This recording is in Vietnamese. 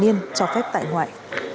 niên cho phép tại ngoại